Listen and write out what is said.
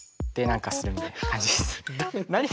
「何かするみたいな感じ」？